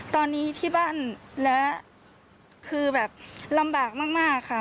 ตอนนี้ที่บ้านและคือแบบลำบากมากค่ะ